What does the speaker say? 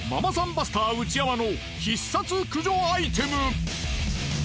バスター内山の必殺駆除アイテム。